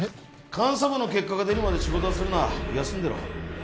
監査部の結果が出るまで仕事はするな休んでろ